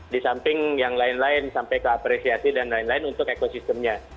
di samping yang lain lain sampai ke apresiasi dan lain lain untuk ekosistemnya